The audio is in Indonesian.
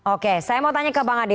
oke saya mau tanya ke bang adi